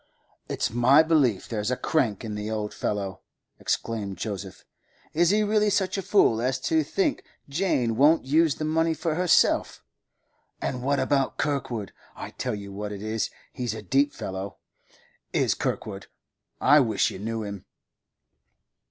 'It's my belief there's a crank in the old fellow,' exclaimed Joseph. 'Is he really such a fool as to think Jane won't use the money for herself? And what about Kirkwood? I tell you what it is; he's a deep fellow, is Kirkwood. I wish you knew him.